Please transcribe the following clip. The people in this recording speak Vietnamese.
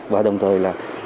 và đồng thời